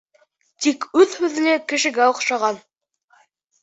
Тик үҙ һүҙле кешегә оҡшаған.